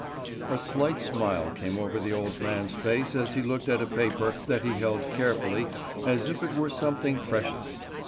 A slight smile came over the old man's face as he looked at a paper that he held carefully as if it were something precious.